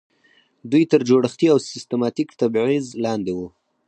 دوی تر جوړښتي او سیستماتیک تبعیض لاندې وو.